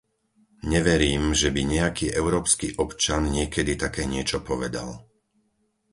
Neverím, že by nejaký európsky občan niekedy také niečo povedal.